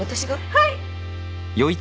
はい。